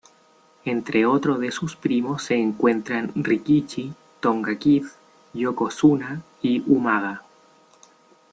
Entre otros de sus primos se encuentran Rikishi, Tonga Kid, Yokozuna, y Umaga.